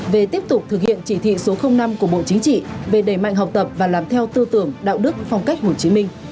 về tiếp tục thực hiện chỉ thị số năm của bộ chính trị về đẩy mạnh học tập và làm theo tư tưởng đạo đức phong cách hồ chí minh